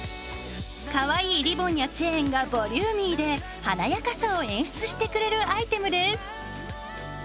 かわいいリボンやチェーンがボリューミーで華やかさを演出してくれるアイテムです。